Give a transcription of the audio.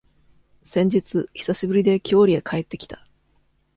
先日、久しぶりで、郷里へ帰ってきた。